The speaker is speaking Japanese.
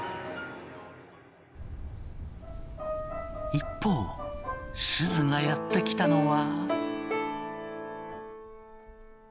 一方すずがやって来たのは。